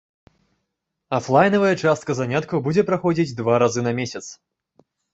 Афлайнавая частка заняткаў будзе праходзіць два разы на месяц.